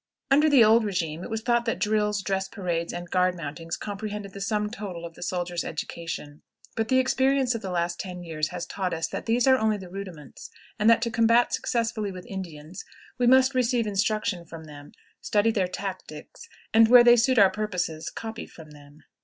Under the old regime it was thought that drills, dress parades, and guard mountings comprehended the sum total of the soldier's education, but the experience of the last ten years has taught us that these are only the rudiments, and that to combat successfully with Indians we must receive instruction from them, study their tactics, and, where they suit our purposes, copy from them.